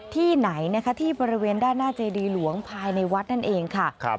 ที่ไหนนะคะที่บริเวณด้านหน้าเจดีหลวงภายในวัดนั่นเองค่ะ